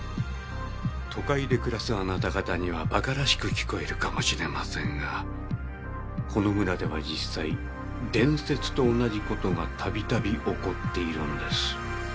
都会で暮らすあなた方には馬鹿らしく聞こえるかもしれませんがこの村では実際伝説と同じ事がたびたび起こっているのです。